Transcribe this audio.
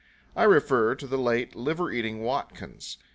I refer to the late Liver Eating Watkins.